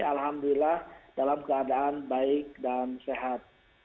alhamdulillah dalam keadaan baik dan sehat